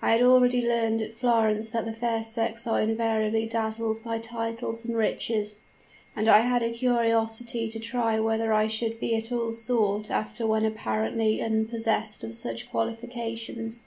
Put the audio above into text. I had already learned at Florence that the fair sex are invariably dazzled by titles and riches; and I had a curiosity to try whether I should be at all sought after when apparently unpossessed of such qualifications.